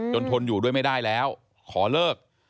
ทนอยู่ด้วยไม่ได้แล้วขอเลิก